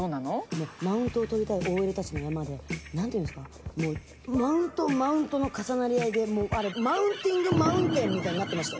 もうマウントを取りたいＯＬたちの山で、マウント、マウントの重なり合いで、あれ、マウンティングマウンテンみたいになってました。